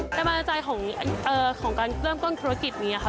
แต่บรรยาใจของของการเริ่มก้นธุรกิจนี้นะคะ